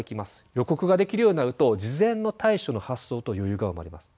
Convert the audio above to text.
予告ができるようになると事前の対処の発想と余裕が生まれます。